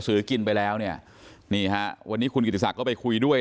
กินไปแล้วเนี่ยนี่ฮะวันนี้คุณกิติศักดิ์ก็ไปคุยด้วย